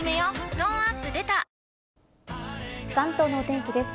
トーンアップ出た関東のお天気です。